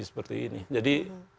seperti ini jadi